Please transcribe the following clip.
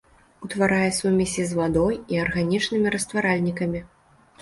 Утварае сумесі з вадой і арганічнымі растваральнікамі.